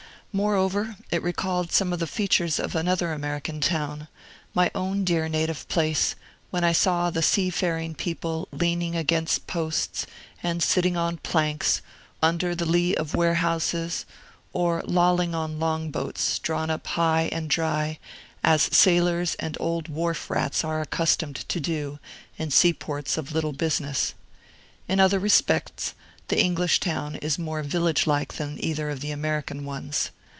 Moreover, it recalled some of the features of another American town, my own dear native place, when I saw the seafaring people leaning against posts, and sitting on planks, under the lee of warehouses, or lolling on long boats, drawn up high and dry, as sailors and old wharf rats are accustomed to do, in seaports of little business. In other respects, the English town is more village like than either of the American ones.